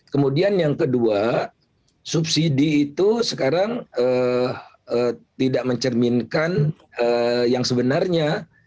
kemudian yang kedua subsidi itu sekarang tidak mencerminkan yang sebenarnya